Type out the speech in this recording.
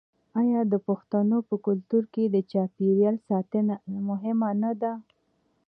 آیا د پښتنو په کلتور کې د چاپیریال ساتنه مهمه نه ده؟